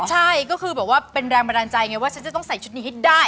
ใช่ก็คือแบบว่าเป็นแรงบันดาลใจไงว่าฉันจะต้องใส่ชุดนี้ให้ได้